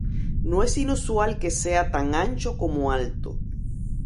No es inusual que sea tan ancho como alto.